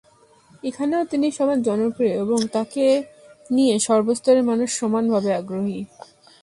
এখানেও তিনি সমান জনপ্রিয় এবং তাঁকে নিয়ে সর্বস্তরের মানুষ সমানভাবে আগ্রহী।